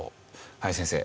林先生